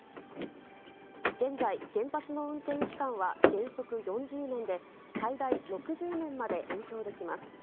現在、原発の運転期間は、原則４０年で、最大６０年まで延長できます。